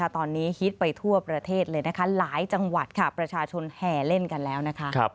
ตอนนี้ฮิตไปทั่วประเทศเลยนะคะหลายจังหวัดค่ะประชาชนแห่เล่นกันแล้วนะคะ